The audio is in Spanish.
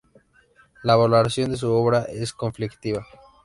La valoración de su obra es conflictiva.